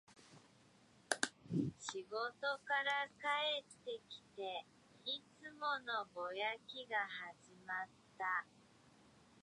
仕事から帰ってきて、いつものぼやきが始まった